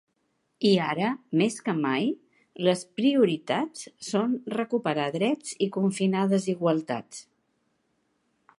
I ara, ‘més que mai’, les ‘prioritats’ són ‘recuperar drets i confinar desigualtats’.